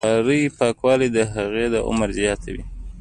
د بخارۍ پاکوالی د هغې عمر زیاتوي.